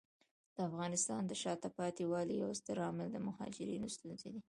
د افغانستان د شاته پاتې والي یو ستر عامل د مهاجرینو ستونزې دي.